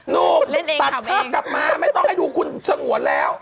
หนุ่มตัดภาพกลับมาไม่ต้องให้ดูคุณสงวนแล้ว